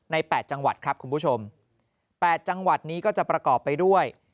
๘จังหวัดครับคุณผู้ชม๘จังหวัดนี้ก็จะประกอบไปด้วย